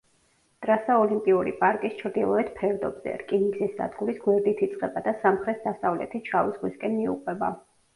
ტრასა ოლიმპიური პარკის ჩრდილოეთ ფერდობზე, რკინიგზის სადგურის გვერდით იწყება და სამხრეთ-დასავლეთით შავი ზღვისკენ მიუყვება.